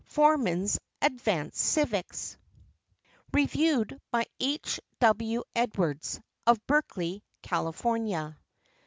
Forman's "Advanced Civics" REVIEWED BY H. W. EDWARDS, OF BERKELEY, CALIFORNIA.